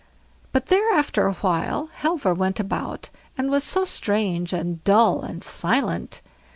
But there after a while, Halvor went about, and was so strange and dull and silent.